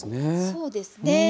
そうですね。